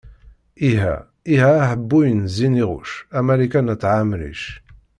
Iha, iha aḥebbuy n ziniɣuc, a Malika n at Ɛemric.